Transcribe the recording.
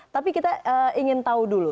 tapi kita ingin tahu dulu